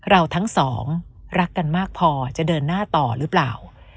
เราทั้งสองรักกันมากพอจะเดินหน้าต่อหรือเปล่า